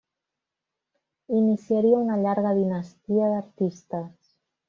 Iniciaria una llarga dinastia d'artistes.